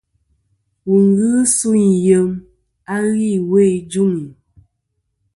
Wù ghɨ suyn yem a ghɨ iwo i juŋi.